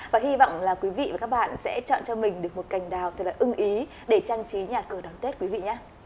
và hy vọng là quý vị và các bạn sẽ chọn cho mình được một cành đào thật là ưng ý để trang trí nhà cửa đón tết quý vị nhé